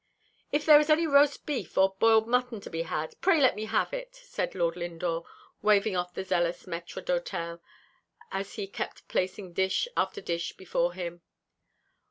"If there is any roast beef or boiled mutton to be had, pray let me have it," said Lord Lindore, waving off the zealous maître d'hotel, as he kept placing dish after dish before him.